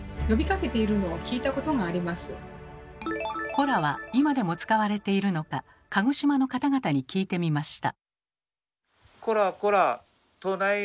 「コラ」は今でも使われているのか鹿児島の方々に聞いてみました。